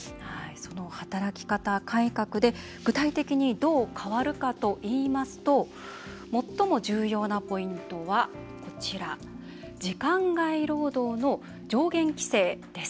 その働き方改革で具体的にどう変わるかといいますと最も重要なポイントは、こちら時間外労働の上限規制です。